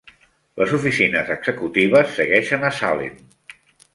Les oficines executives segueixen a Salem.